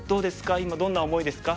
今どんな思いですか？